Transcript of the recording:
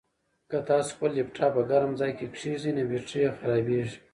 که تاسو خپل لپټاپ په ګرم ځای کې کېږدئ نو بېټرۍ یې خرابیږي.